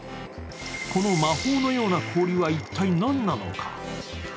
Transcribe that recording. この魔法のような氷は一体何なのか。